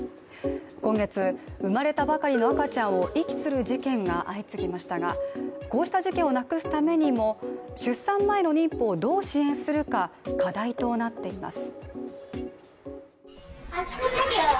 今月生まれたばかりの赤ちゃんを遺棄する事件が相次ぎましたがこうした事件をなくすためにも出産前の妊婦をどう支援するか、課題となっています。